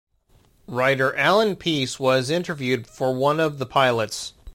Writer Allan Pease was interviewed for one of the pilots.